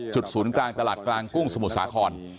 ศูนย์กลางตลาดกลางกุ้งสมุทรสาคร